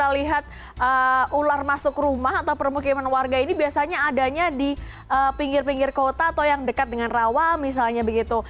kita lihat ular masuk rumah atau permukiman warga ini biasanya adanya di pinggir pinggir kota atau yang dekat dengan rawa misalnya begitu